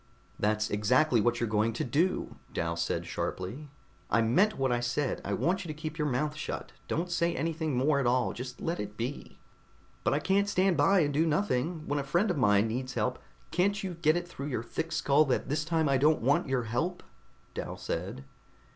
"That's exactly what you're going to do," Dal said sharply. "I meant what I said. I want you to keep your mouth shut. Don't say anything more at all, just let it be." "But I can't stand by and do nothing! When a friend of mine needs help " "Can't you get it through your thick skull that this time I don't want your help?" Dal said.